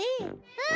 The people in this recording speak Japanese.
うん！